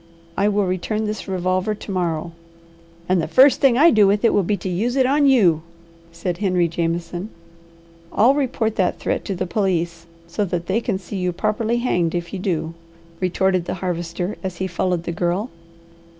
I will return this revolver to morrow." "And the first thing I do with it will be to use it on you," said Henry Jameson. "I'll report that threat to the police, so that they can see you properly hanged if you do," retorted the Harvester, as he followed the girl.